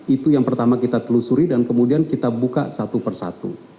itu yang pertama kita telusuri dan kemudian kita buka satu persatu